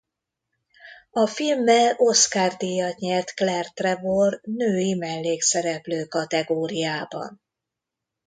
A filmmel Oscar-díjat nyert Claire Trevor női mellékszereplő kategóriában.